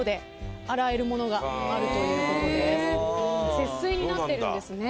節水になってるんですね。